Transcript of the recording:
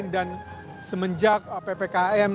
dan semenjak ppkm